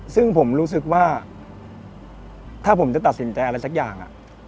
ซึ่งผมรู้สึกว่าถ้าผมจะตัดสินใจอะไรสักอย่าง